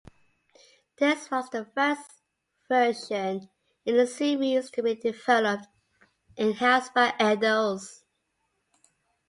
This was the first version in the series to be developed in-house by Eidos.